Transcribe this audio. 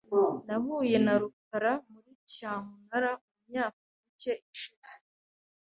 Nahuye na rukara muri cyamunara mumyaka mike ishize .